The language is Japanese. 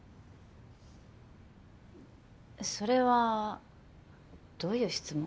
それはどういう質問？